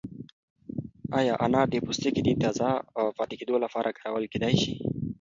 ایا انار د پوستکي د تازه پاتې کېدو لپاره کارول کیدای شي؟